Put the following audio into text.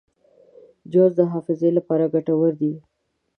جوز د حافظې لپاره ګټور دي.